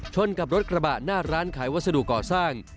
กับรถกระบะหน้าร้านขายวัสดุก่อสร้าง